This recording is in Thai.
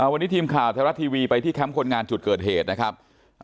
วันนี้ทีมข่าวไทยรัฐทีวีไปที่แคมป์คนงานจุดเกิดเหตุนะครับ